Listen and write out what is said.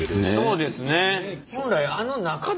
そうですね。